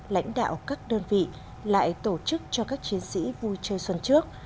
lãnh đạo các đơn vị lại tổ chức cho các chiến sĩ vui chơi xuân trước